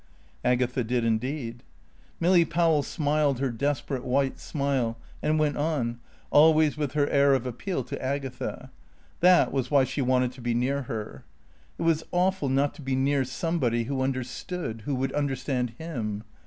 Agatha did indeed. Milly Powell smiled her desperate white smile, and went on, always with her air of appeal to Agatha. That was why she wanted to be near her. It was awful not to be near somebody who understood, who would understand him.